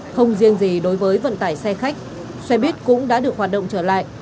không riêng gì đối với vận tải xe khách xe buýt cũng đã được hoạt động trở lại